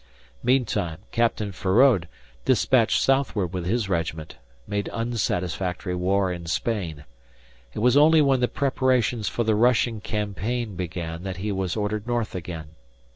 Meantime, Captain Feraud, despatched southward with his regiment, made unsatisfactory war in Spain. It was only when the preparations for the Russian campaign began that he was ordered north again.